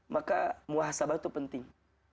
maka muhasabah itu penting